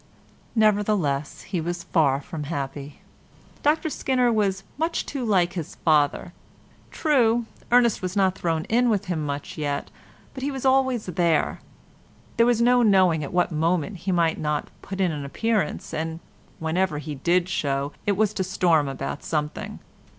Nevertheless, he was far from happy. Dr Skinner was much too like his father. True, Ernest was not thrown in with him much yet, but he was always there; there was no knowing at what moment he might not put in an appearance, and whenever he did show, it was to storm about something.